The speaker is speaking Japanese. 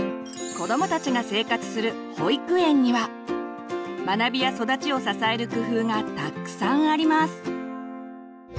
子どもたちが生活する保育園には学びや育ちを支える工夫がたくさんあります。